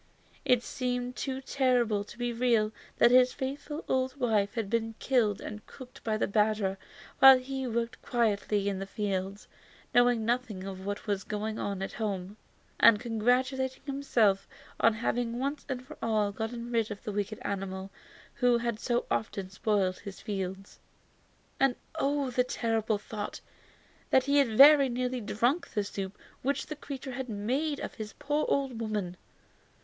It seemed too terrible to be real that his faithful old wife had been killed and cooked by the badger while he was working quietly in the fields, knowing nothing of what was going on at home, and congratulating himself on having once for all got rid of the wicked animal who had so often spoiled his fields. And oh! the horrible thought; he had very nearly drunk the soup which the creature had made of his poor old woman.